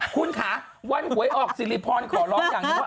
คุณขาวันหวยออกซิริพรณขอร้องอย่างนี้